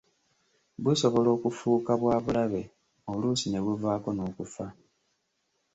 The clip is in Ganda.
Busobola okufuuka bwa bulabe, oluusi ne buvaako n’okufa.